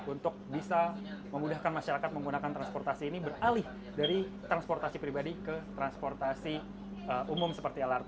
untuk bisa memudahkan masyarakat menggunakan transportasi ini beralih dari transportasi pribadi ke transportasi sosial